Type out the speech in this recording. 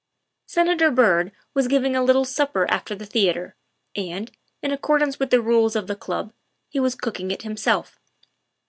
Senator Byrd was giving a little supper after the theatre, and, in accordance with the rules of the club, he was cooking it himself.